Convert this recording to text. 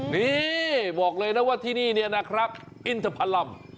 นี่บอกเลยนะว่าที่นี่นะครับอินทรพลัม